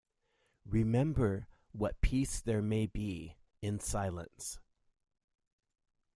Remember what peace there may be in silence.